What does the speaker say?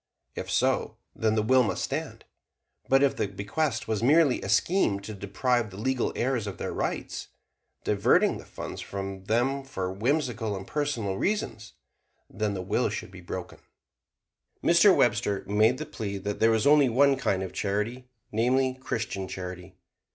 If so, then the will must stand. But if the bequest were merely a scheme to deprive the legal heirs of their rights diverting the funds from them for whimsical and personal reasons then the will should be broken. Mr. Webster made the plea that there was only one kind of charity, namely, Christian charity.